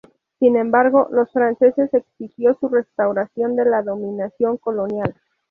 Sin embargo, los franceses exigió su restauración de la dominación colonial.